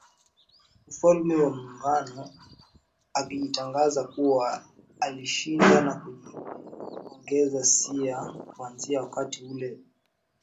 Ufalme wa Maungano akajitangaza kuwa alishinda na kujiongezea sia ya Kuanzia wakati ule cheo